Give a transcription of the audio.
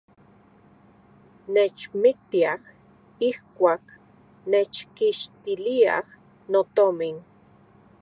Nechmiktiaj ijkuak nechkixtiliaj notomin.